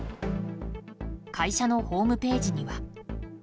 会社のホームページには。